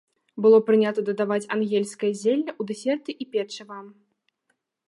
Было прынята дадаваць ангельскае зелле у дэсерты і печыва.